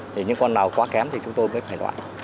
thì những con nào quá kém thì chúng tôi mới phải loại